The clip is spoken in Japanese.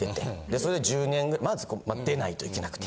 それで１０年まず出ないといけなくて。